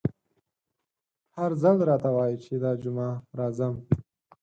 هر ځل راته وايي چې دا جمعه راځم….